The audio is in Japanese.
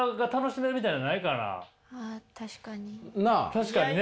確かにね。